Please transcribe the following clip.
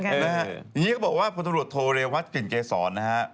อย่างนี้ก็บอกว่าพลตำรวจโทเรวัตกลิ่นเกษรนะฮะ